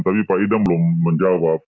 tapi pak idam belum menjawab